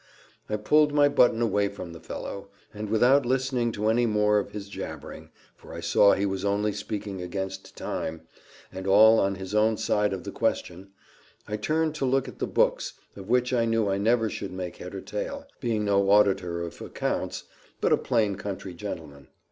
I pulled my button away from the fellow, and without listening to any more of his jabbering, for I saw he was only speaking against time, and all on his own side of the question, I turned to look at the books, of which I knew I never should make head or tail, being no auditor of accounts, but a plain country gentleman.